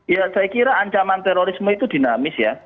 ya saya kira ancaman terorisme itu dinamis ya